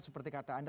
seperti kata anda